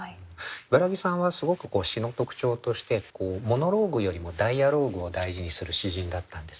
茨木さんはすごく詩の特徴としてモノローグよりもダイアローグを大事にする詩人だったんですね。